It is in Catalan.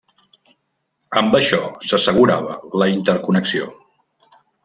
Amb això s'assegurava la interconnexió.